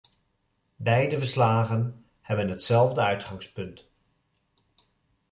Beide verslagen hebben hetzelfde uitgangspunt.